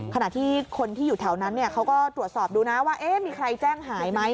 ขณะที่คนที่อยู่แถวนั้นเขาก็ตรวจสอบดูนะว่ามีใครแจ้งหายไหม